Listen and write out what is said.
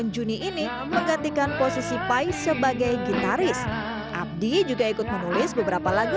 dua puluh delapan juni ini menggantikan posisi pai sebagai gitaris abdi juga ikut menulis beberapa lagu